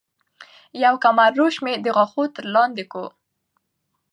يو کمر روش مي تر غاښو لاندي کو